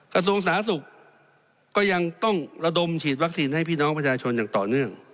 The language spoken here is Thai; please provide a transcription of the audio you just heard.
กระทรวงสาธารณสุขก็ยังต้องระดมฉีดวัคซีนให้พี่น้องประชาชนอย่างต่อเนื่อง